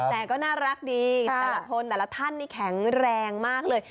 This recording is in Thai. แต่ก็น่ารักดีแต่ละคนแต่ละท่านนี่แข็งแรงมากเลย